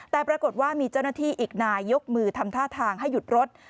แต่ปรากฏว่ามีเจ้าหน้าที่อีกนายยกมือทำท่าทางให้หยุดรถ